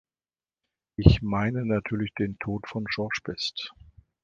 Ich meine natürlich den Tod von George Best.